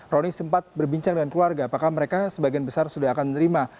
roni sempat berbincang dengan keluarga apakah mereka sebagian besar sudah akan menerima